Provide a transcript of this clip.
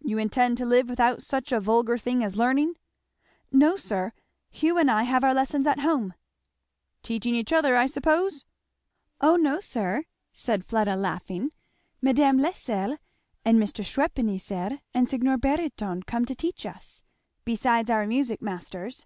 "You intend to live without such a vulgar thing as learning?" "No sir Hugh and I have our lessons at home." "Teaching each other, I suppose?" "O no, sir," said Fleda laughing; "Mme. Lascelles and Mr. Schweppenhesser and Signor Barytone come to teach us, besides our music masters."